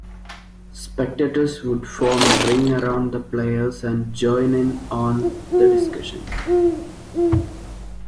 Spectators would form a ring around the players and join in on the discussions.